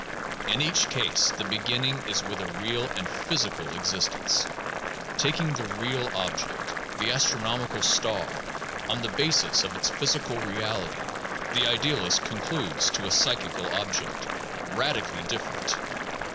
In each case the beginning is with a real and physical existence. Taking "the real object," the astro nomical star, on the basis of its physical reality, the idealist concludes to a psychical object, radically different!